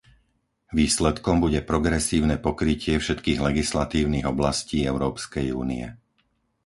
Výsledkom bude progresívne pokrytie všetkých legislatívnych oblastí Európskej únie.